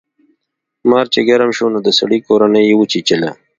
مار چې ګرم شو نو د سړي کورنۍ یې وچیچله.